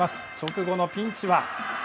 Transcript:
直後のピンチは。